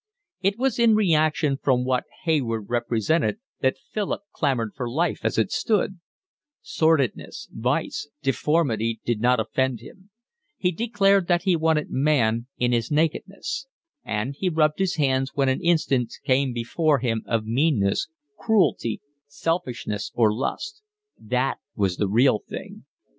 It was in reaction from what Hayward represented that Philip clamoured for life as it stood; sordidness, vice, deformity, did not offend him; he declared that he wanted man in his nakedness; and he rubbed his hands when an instance came before him of meanness, cruelty, selfishness, or lust: that was the real thing.